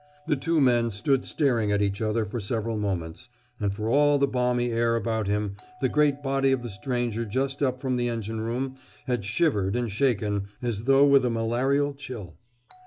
The two men stood staring at each other for several moments, and for all the balmy air about him the great body of the stranger just up from the engine room had shivered and shaken, as though with a malarial chill.